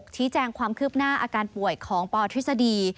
ชี้แจงความคืบหน้าอาการป่วยของปทฤษฎี